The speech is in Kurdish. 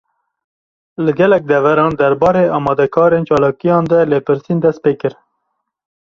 Li gelek deveran, derbarê amadekarên çalakiyan de lêpirsîn dest pê kir